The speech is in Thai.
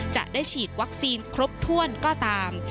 จะได้ฉีดวัคซีนครบถ้วนก็ตาม